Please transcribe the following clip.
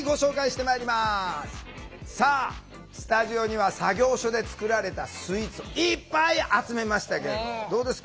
さあスタジオには作業所で作られたスイーツをいっぱい集めましたけどどうですか？